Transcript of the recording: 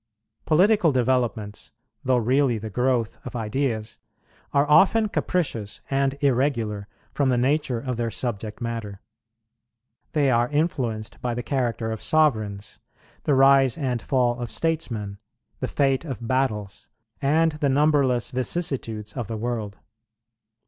Political developments, though really the growth of ideas, are often capricious and irregular from the nature of their subject matter. They are influenced by the character of sovereigns, the rise and fall of statesmen, the fate of battles, and the numberless vicissitudes of the world.